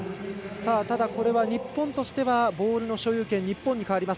ただ、これは日本としてはボールの所有権日本に変わります。